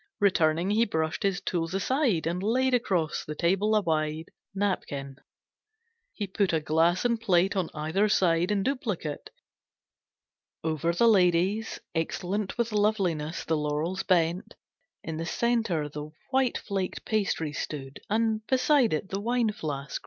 Returning, he brushed his tools aside, And laid across the table a wide Napkin. He put a glass and plate On either side, in duplicate. Over the lady's, excellent With loveliness, the laurels bent. In the centre the white flaked pastry stood, And beside it the wine flask.